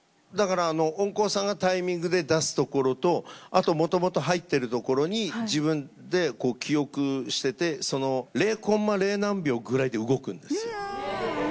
だから音効さんがタイミングで出すところとあともともと入ってるところに自分で記憶しててその０コンマ０何秒ぐらいで動くんです。